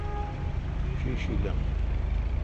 شی شی لنگ۔